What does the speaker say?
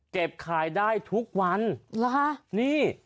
เก็บขายได้ทุกวัน